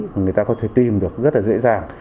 người ta có thể tìm được rất là dễ dàng